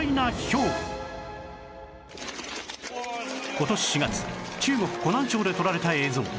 今年４月中国湖南省で撮られた映像